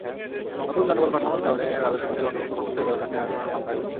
নতুন জনবলকাঠামোর কারণে রাজস্ব খাতের অন্তর্ভুক্ত কর্মচারীরাও চাকরি হারানোর শঙ্কায় ভুগছেন।